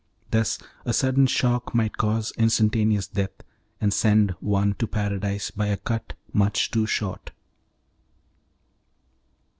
Thus a sudden shock might cause instantaneous death, and send one to Paradise by a cut much too short.